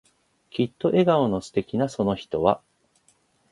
きっと笑顔の素敵なその人は、